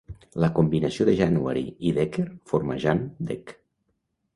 La combinació de January i Decker forma Jan-deck.